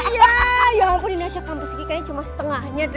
ya ampun ini aja kampus ini kayaknya cuma setengahnya